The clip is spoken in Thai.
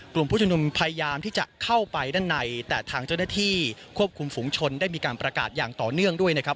กลุ่มผู้ชมนุมพยายามที่จะเข้าไปด้านในแต่ทางเจ้าหน้าที่ควบคุมฝุงชนได้มีการประกาศอย่างต่อเนื่องด้วยนะครับ